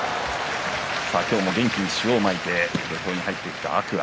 今日も元気に塩をまいて土俵に入ってきた天空海。